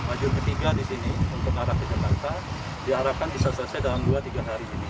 lajur ketiga di sini untuk arah ke jakarta diharapkan bisa selesai dalam dua tiga hari ini